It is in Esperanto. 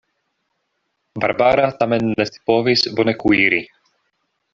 Barbara tamen ne scipovis bone kuiri.